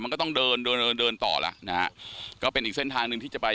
มันก็ต้องเดินเดินต่อแล้วก็เป็นอีกเส้นทางนึงที่จะไป